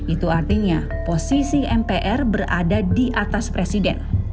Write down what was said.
itu artinya posisi mpr berada di atas presiden